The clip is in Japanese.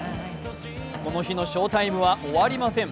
この日の翔タイムは終わりません。